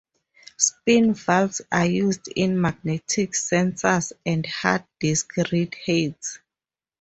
Spin valves are used in magnetic sensors and hard disk read heads.